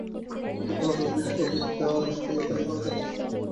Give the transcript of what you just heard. এইরূপে অবিদ্যা নাশ করিয়া তিনি তাঁহার যথার্থ স্বরূপ আত্মাকে জানেন।